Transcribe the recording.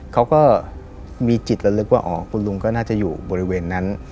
เขาก็มีจิตละลึกว่าอ๋อคุณลุงก็น่าจะอยู่บริเวณนั้น